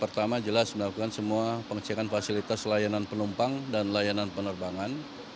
pertama jelas melakukan semua pengecekan fasilitas layanan penumpang dan layanan penerbangan